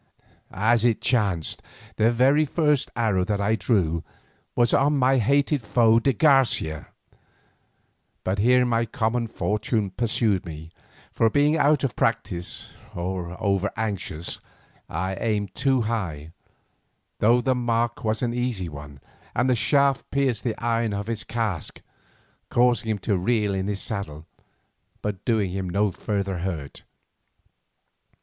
As it chanced, the very first arrow that I drew was on my hated foe de Garcia, but here my common fortune pursued me, for being out of practice, or over anxious, I aimed too high, though the mark was an easy one, and the shaft pierced the iron of his casque, causing him to reel in his saddle, but doing him no further hurt.